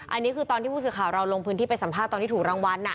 อันนี้คือตอนที่ผู้สื่อข่าวเราลงพื้นที่ไปสัมภาษณ์ตอนที่ถูกรางวัล